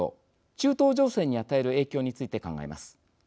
中東情勢に与える影響について考えます。